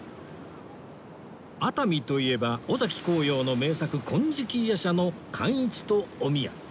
熱海といえば尾崎紅葉の名作『金色夜叉』の貫一とお宮